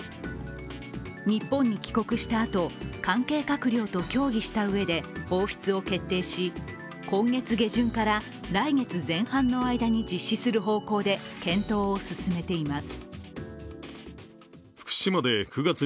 日本に帰国した後、関係閣僚と協議したうえで放出を決定し、今月下旬から来月前半の間に実施する方向で検討を進めています。